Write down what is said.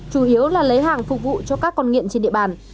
chủ yếu là lấy hàng phục vụ cho các con nghiện trên địa bàn